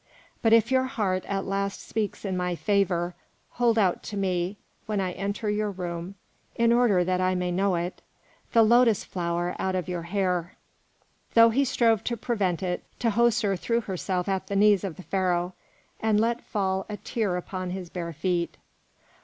But if your heart at last speaks in my favour, hold out to me, when I enter your room, in order that I may know it, the lotus flower out of your hair." Though he strove to prevent it, Tahoser threw herself at the knees of the Pharaoh and let fall a tear upon his bare feet.